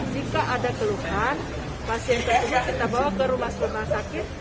jika ada keluhan pasien pasien kita bawa ke rumah sakit di kabupaten lampung tengah